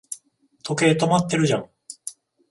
時計、止まってるじゃん